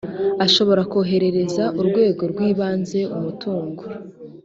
ashobora koherereza urwego rw ibanze umutungo